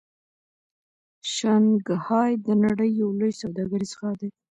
شانګهای د نړۍ یو لوی سوداګریز ښار دی.